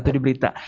itu di berita